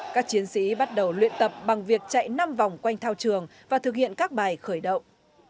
các chiến sĩ bắt đầu luyện tập bằng việc chạy năm vòng quanh thao trường và thực hiện các bài khởi động